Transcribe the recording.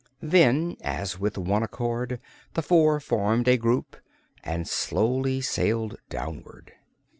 Then, as with one accord, the four formed a group and slowly sailed downward.